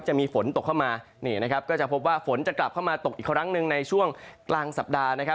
จะมีฝนตกเข้ามาก็จะพบว่าฝนจะกลับเข้ามาตกอีกครั้งหนึ่งในช่วงกลางสัปดาห์